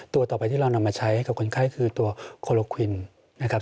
ตัวต่อไปที่เรานำมาใช้กับคนไข้คือตัวโคโลควินนะครับ